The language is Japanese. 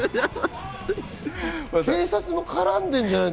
警察も絡んでんじゃない？